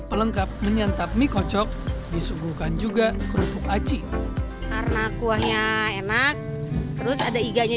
pelengkap menyantap mie kocok disuguhkan juga kerupuk aci karena kuahnya enak terus ada iganya